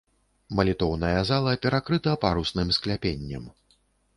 Малітоўная зала перакрыта парусным скляпеннем.